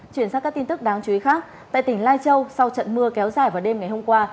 chuyển sang các tin tức đáng chú ý khác tại tỉnh lai châu sau trận mưa kéo dài vào đêm ngày hôm qua